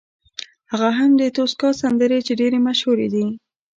هغه هم د توسکا سندرې چې ډېرې مشهورې دي.